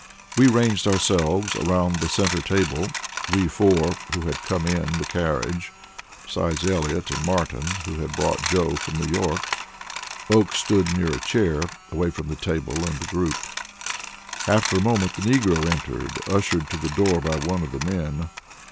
We ranged ourselves round the centre table we four who had come in the carriage, besides Elliott and Martin, who had brought Joe from New York. Oakes stood near a chair, away from the table and the group. After a moment the negro entered, ushered to the door by one of the men.